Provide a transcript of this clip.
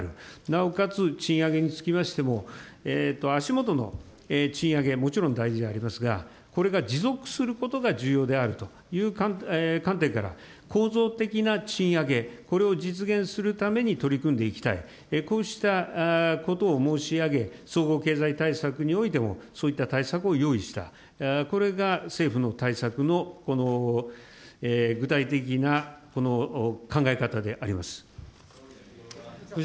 なおかつ、賃上げにつきましても、足下の賃上げ、もちろん大事でありますが、これが持続することが重要であるという観点から、構造的な賃上げ、これを実現するために取り組んでいきたい、こうしたことを申し上げ、総合経済対策においてもそういった対策を用意した、これが政府の対策の具体的なこの考え方であります。